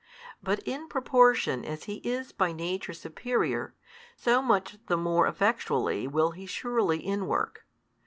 But in proportion as He is by Nature Superior, so much the more effectually will He surely in work.